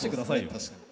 確かに。